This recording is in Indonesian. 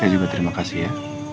saya juga terima kasih ya